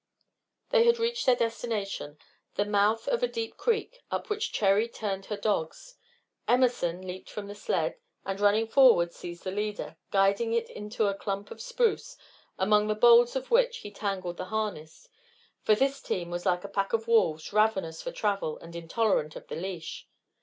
They had reached their destination the mouth of a deep creek, up which Cherry turned her dogs. Emerson leaped from the sled, and, running forward, seized the leader, guiding it into a clump of spruce, among the boles of which he tangled the harness, for this team was like a pack of wolves, ravenous for travel and intolerant of the leash.